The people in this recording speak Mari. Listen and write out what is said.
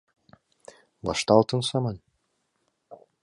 Вашталтын саман.